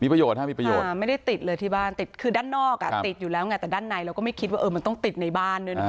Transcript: ประโยชน์ไม่ได้ติดเลยที่บ้านติดคือด้านนอกอ่ะติดอยู่แล้วไงแต่ด้านในเราก็ไม่คิดว่ามันต้องติดในบ้านด้วยนะ